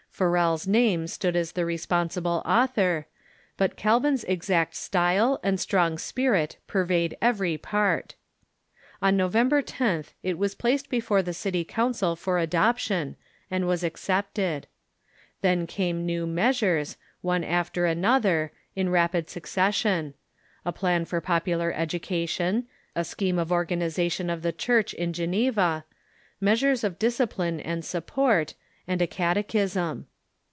Farel's name stood as the responsible author, but Calvin's exact style and strong spirit pervade ev ery part. On November lOtli it was placed before the city council for adoption, and was accepted. Then came new meas ures, one after another, in rapid succession — a plan for pop ular education, a scheme of organization of the Church in Geneva, measures of discipline and support, and a catechism.